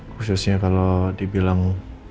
khususnya kalau dibilang